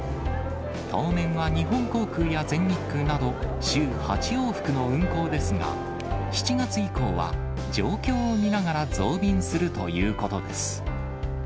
当面は日本航空や全日空など、週８往復の運航ですが、７月以降は、状況を見ながら増便するということです。